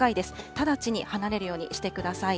直ちに離れるようにしてください。